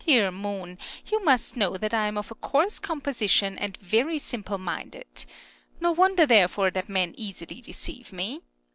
Dear Moon, you must know that I am of a coarse composition, and very simple minded. No wonder therefore that men easily deceive me.